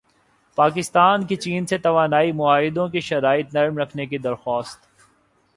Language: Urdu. پاکستان کی چین سے توانائی معاہدوں کی شرائط نرم کرنے کی درخواست